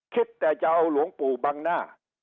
คิดแต่จะเอาหลวงปู่บังหน้า